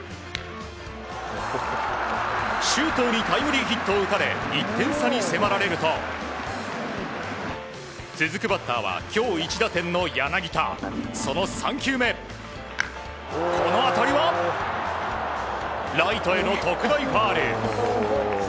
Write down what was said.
周東にタイムリーヒットを打たれ１点差に迫られると続くバッターは今日１打点の柳田その３球目、この当たりはライトへの特大ファウル。